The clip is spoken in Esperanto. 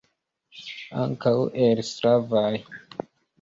Ankaŭ el slavaj.